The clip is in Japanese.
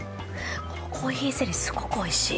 このコーヒーゼリーすごくおいしい。